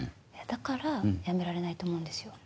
だからやめられないと思うんですよ。